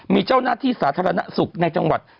มีเจ้าหน้าที่สาธารณสุขในจังหวัด